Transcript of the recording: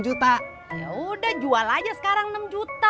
ya udah jual aja sekarang rp enam